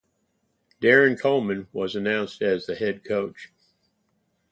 Darren Coleman was announced as the head coach.